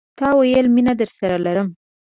تا ویل، مینه درسره لرم